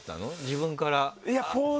自分から。